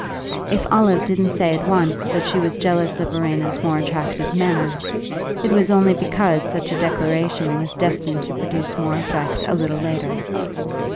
If Olive didn't say at once that she was jealous of Verena's more attractive manner, it was only because such a declaration was destined to produce more effect a little later.